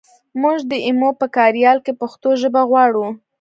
مونږ د ایمو په کاریال کې پښتو ژبه غواړو